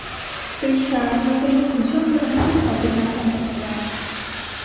ริชาร์ดมักจะนึกถึงช่วงเวลาที่เขาเป็นนักปั่นจักรยาน